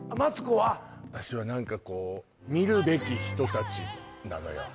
アタシは何かこう見るべき人たちなのよ